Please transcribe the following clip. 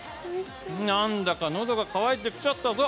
なんだかのどが渇いてきちゃったぞ。